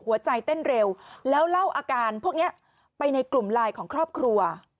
เต้นเร็วแล้วเล่าอาการพวกนี้ไปในกลุ่มไลน์ของครอบครัว